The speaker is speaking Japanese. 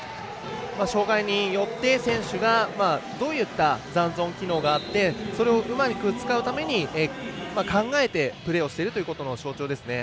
障がいによって選手がどういった残存機能があってそれをうまく使うために考えてプレーをしているということの象徴ですね。